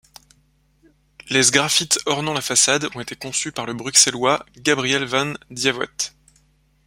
Les sgraffites ornant la façade ont été conçus par le Bruxellois Gabriel van Dievoet.